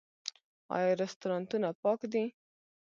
آیا رستورانتونه پاک دي؟